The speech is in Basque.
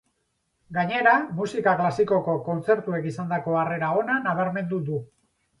Gainera, musika klasikoko kontzertuek izandako harrera ona nabarmendu du.